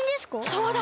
そうだ！